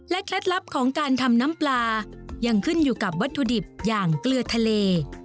เคล็ดลับของการทำน้ำปลายังขึ้นอยู่กับวัตถุดิบอย่างเกลือทะเล